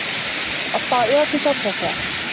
الطّائرة ترتفع.